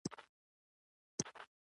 د کندز په قلعه ذال کې د تیلو نښې شته.